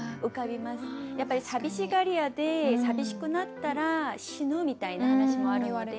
やっぱり寂しがり屋で寂しくなったら死ぬみたいな話もあるので。